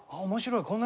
面白い。